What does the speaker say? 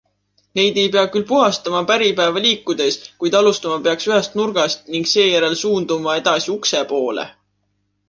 Neid ei pea küll puhastama päripäeva liikudes, kuid alustama peaks ühest nurgast ning seejärel suunduma edasi ukse poole.